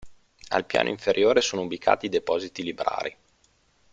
Al piano inferiore sono ubicati i depositi librari.